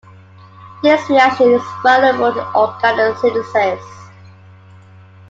This reaction is valuable in organic synthesis.